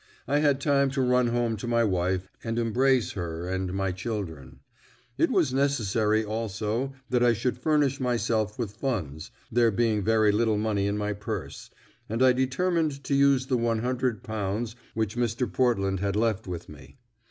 I had time to run home to my wife, and embrace her and my children; it was necessary, also, that I should furnish myself with funds, there being very little money in my purse, and I determined to use the one hundred pounds which Mr. Portland had left with me.